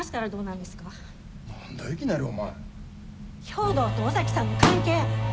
兵頭と尾崎さんの関係！